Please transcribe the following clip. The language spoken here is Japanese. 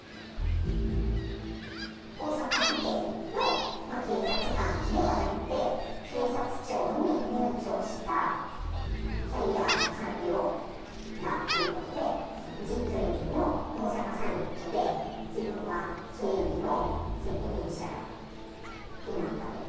大阪府警の警察官ではなくて、警察庁に入庁したキャリア官僚だということで、Ｇ２０の大阪サミットで、自分は警備の責任者になったと。